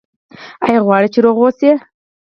ایا غواړئ چې روغ اوسئ؟